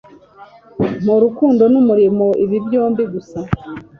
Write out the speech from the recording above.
mpa urukundo n'umurimo - ibi byombi gusa